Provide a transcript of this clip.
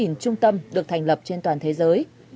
ets là trung tâm được thành lập trên toàn thế giới